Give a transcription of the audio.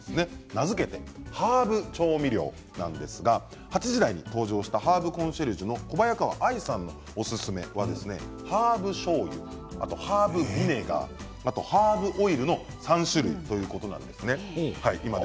名付けてハーブ調味料ですが８時台に登場したハーブコンシェルジュの小早川愛さんのおすすめはハーブしょうゆ、ハーブビネガーハーブオイルの３種類ということなんですね。